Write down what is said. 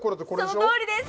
そのとおりです！